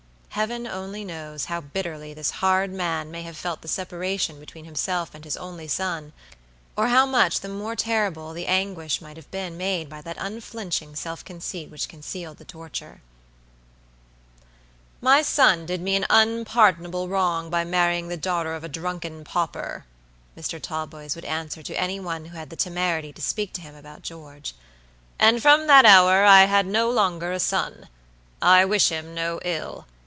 Heaven only knows how bitterly this hard man may have felt the separation between himself and his only son, or how much the more terrible the anguish might have been made by that unflinching self conceit which concealed the torture. "My son did me an unpardonable wrong by marrying the daughter of a drunken pauper," Mr. Talboys would answer to any one who had the temerity to speak to him about George, "and from that hour I had no longer a son. I wish him no ill.